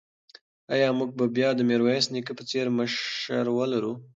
ایا موږ به بیا د میرویس نیکه په څېر مشر ولرو؟